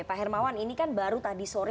pak hermawan ini kan baru tadi sore